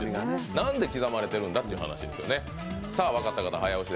なんで刻まれてるんだって話ですよね。